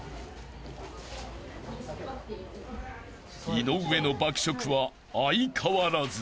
［井上の爆食は相変わらず］